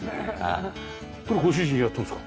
これご主人やってるんですか？